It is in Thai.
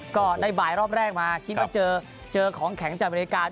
ก็ได้บ่ายรอบแรกมาคิดว่าเจอของแข็งจากบริการ